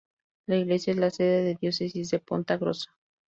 La iglesia es la sede de la diócesis de Ponta Grossa.